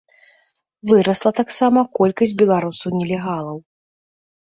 Вырасла таксама колькасць беларусаў-нелегалаў.